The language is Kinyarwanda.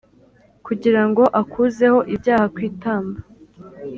kugira ngo akuzeho ibyaha kwitamba.